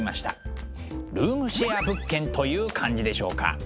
ルームシェア物件という感じでしょうか。